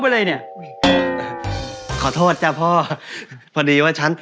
เมื่อกี้พ่อเนี่ยหัวทิ้งโป๊ะเข้าไปเลยเนี่ย